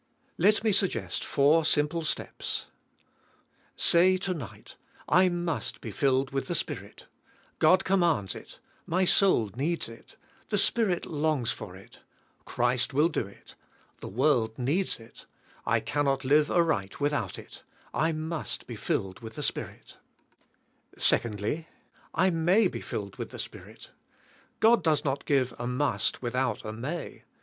Let me suggest four simple steps. Say tonig ht! I must be filled with the Spirit. God commands it. My soul needs it. The Spirit long's for it. Christ will do it. The world needs it. I cannot live aright without it. I must be filled with the Spirit. 2. I may be filled with the Spirit. God does not give a ''must" without a may."